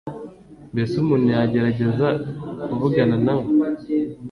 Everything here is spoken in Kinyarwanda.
Mbese umuntu yagerageza kuvugana nawe